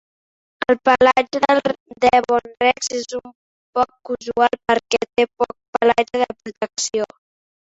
El pelatge del Devon Rex és poc usual perquè té poc pelatge de protecció.